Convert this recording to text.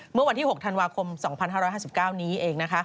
เมื่อวันที่๖ธันวาคม๒๕๕๙นี้เอง